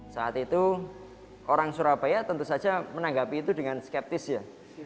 saat itu orang surabaya tentu saja menanggapi itu dengan skeptis ya